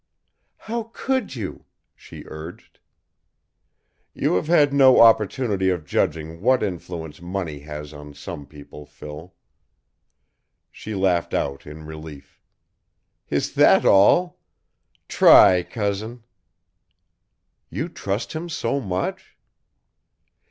"How could you?" she urged. "You have had no opportunity of judging what influence money has on some people, Phil." She laughed out in relief. "Is that all? Try, Cousin." "You trust him so much?"